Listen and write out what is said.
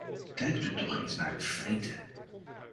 Kijkt u toch eens naar de feiten!